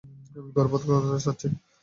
আমি গর্ভপাত করাতে চাচ্ছি!